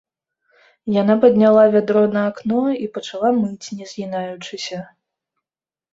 Яна падняла вядро на акно і пачала мыць не згінаючыся.